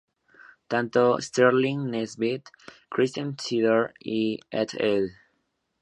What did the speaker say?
Tanto Sterling Nesbitt, Christian Sidor "et al".